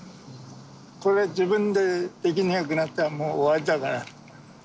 これ自分でできなくなったらもう終わりだから。